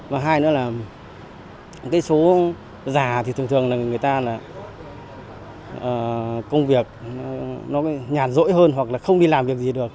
và hai nữa là cái số già thì thường thường là người ta là công việc nó nhàn rỗi hơn hoặc là không đi làm việc gì được